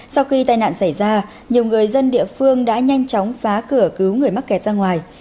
sau khi tai nạn xảy ra nhiều người dân địa phương đã nhanh chóng phá cửa cứu người mắc kẹt ra ngoài